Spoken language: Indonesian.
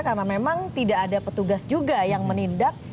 karena memang tidak ada petugas juga yang menindak